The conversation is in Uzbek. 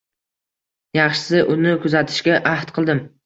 Yaxshisi, uni kuzatishga ahd qildim.